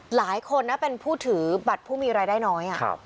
หลายคนนะเป็นผู้ถือบัตรผู้มีรายได้น้อย